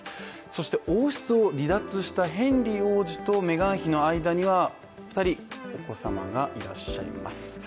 そして王室を離脱したヘンリー王子とメガン妃の間には２人、お子様がいらっしゃいます。